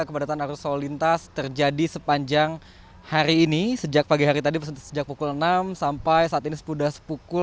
kepadatan arus solintas terjadi sepanjang hari ini sejak pagi hari tadi sejak pukul enam sampai saat ini sepudas pukul